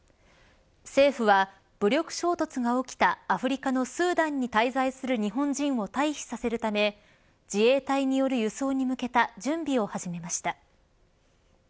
政府は、武力衝突が起きたアフリカのスーダンに滞在する日本人を退避させるため自衛隊による輸送に向けた準備を始めました。